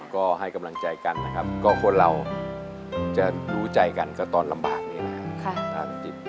ก็ให้กำลังใจกันนะครับก็คนเราจะรู้ใจกันก็ตอนลำบากนี่แหละ